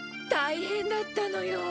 大変だったのよ。